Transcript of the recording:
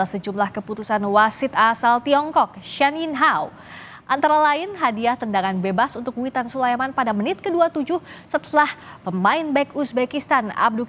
saya ingin mengucapkan selamat menang ke uzebakistan